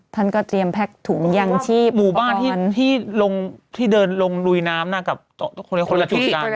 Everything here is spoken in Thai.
ท่านก็เตรียมแพ็กถุงยังที่หมู่บ้านหินที่เดินลงลุยน้ำกับคนละจุดกัน